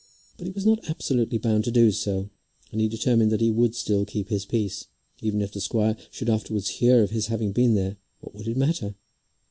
But he was not absolutely bound to do so, and he determined that he would still keep his peace. Even if the squire should afterwards hear of his having been there, what would it matter?